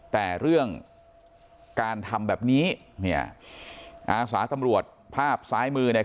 แต่เรื่องการทำแบบนี้อาสาตำรวจภาพซ้ายมือ